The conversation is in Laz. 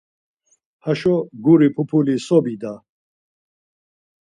Haşo guri pupuli so bida!